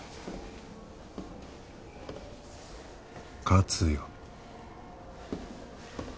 勝つよ。